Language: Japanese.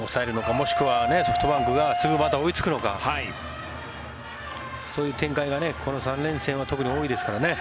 もしくはソフトバンクがすぐまた追いつくのかそういう展開がこの３連戦は特に多いですからね。